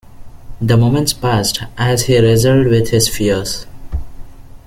The moments passed as he wrestled with his fears.